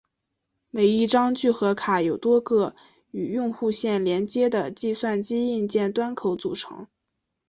每一张聚合卡由多个与用户线相连的计算机硬件端口组成。